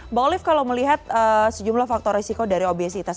mbak olive kalau melihat sejumlah faktor risiko dari obesitas